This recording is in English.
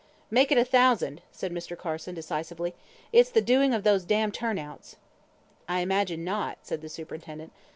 "Make it a thousand," said Mr. Carson, decisively. "It's the doing of those damned turn outs." "I imagine not," said the superintendent.